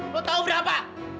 lo tau berapa